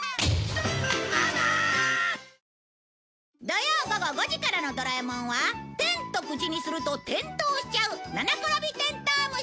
土曜午後５時からの『ドラえもん』は「テン」と口にすると転倒しちゃうななころびてんとう虫！